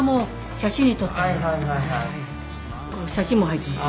写真も入ってます。